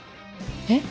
えっ？